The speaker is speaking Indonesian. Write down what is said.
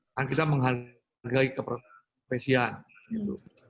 kan kita menghargai keprofesianya